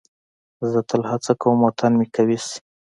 زه تل هڅه کوم وطن مې قوي شي.